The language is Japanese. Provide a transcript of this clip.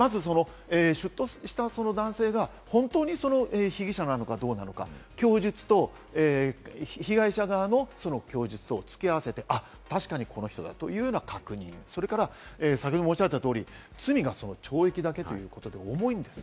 出頭したその男性が本当に、その被疑者なのかどうなのか、供述と被害者側の供述等をつき合わせて、この人だという確認、それから罪が懲役だけということで重いんです。